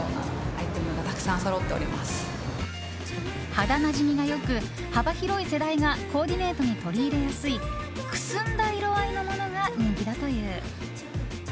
肌なじみが良く、幅広い世代がコーディネートに取り入れやすいくすんだ色合いのものが人気だという。